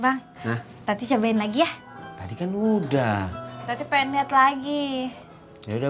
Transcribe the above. bang tadi cobain lagi ya tadi kan udah tadi pengen lihat lagi ya udah